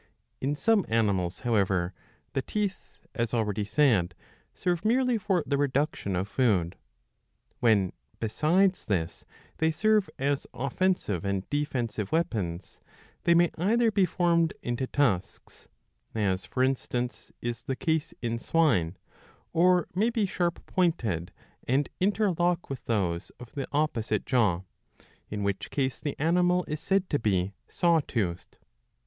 In some animals, however, the teeth, as already said, serve merely for the reduction of food. When, besides this, they serve as offensive and defensive weapons, they may either be formed into tusks, as for instance is the case in swine, or may be sharp pointed and interlock with those of the opposite jaw, in which 661b. 58 iii. I. case the animal is said to be saw toothed.